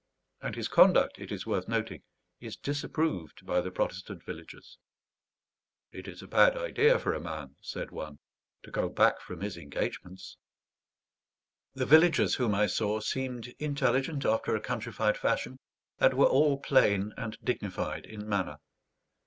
And his conduct, it is worth noting, is disapproved by the Protestant villagers. "It is a bad idea for a man," said one, "to go back from his engagements." The villagers whom I saw seemed intelligent after a countrified fashion, and were all plain and dignified in manner.